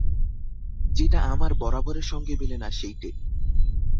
যেটা আমার বরাবরের সঙ্গে মেলে না, সেইটে।